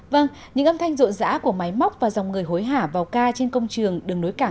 vâng những âm thanh rộn rã của máy móc và dòng người hối hả vào ca trên công trường đường nối cảng